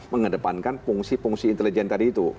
mengedepankan fungsi fungsi intelijen tadi itu